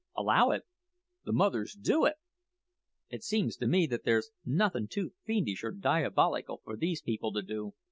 "Allow it? the mothers do it! It seems to me that there's nothing too fiendish or diabolical for these people to do.